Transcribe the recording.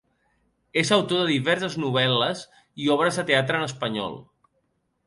És autor de diverses novel·les i obres de teatre en espanyol.